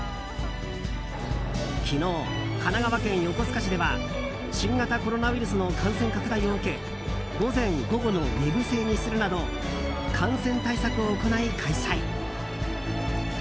昨日、神奈川県横須賀市では新型コロナウイルスの感染拡大を受け午前・午後の２部制にするなど感染対策を行い開催。